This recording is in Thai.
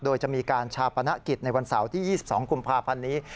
โดยจะมีการชาปนกิจในวันเสาร์ที่๒๒กุมภาพันธ์นี้